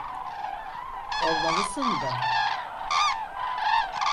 Olmalısın da.